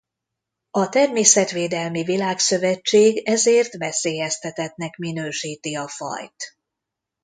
A Természetvédelmi Világszövetség ezért veszélyeztetettnek minősíti a fajt.